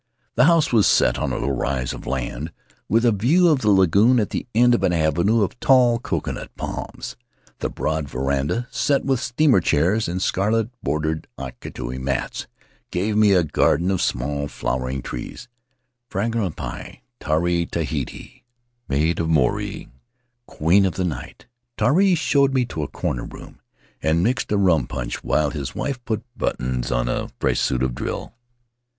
The house was set on a little rise of land, with a view of the lagoon at the end of an avenue of tall coconut palms. The broad veranda, set with steamer chairs and scarlet bordered Aitutaki mats, gave on a garden of small flowering trees — "Frangipani," 'Tiare Tahiti" "Maid of Moorea," "Queen of the Night." Tari showed me to a corner room, and mixed a rum punch while his wife put buttons on a fresh suit of drill.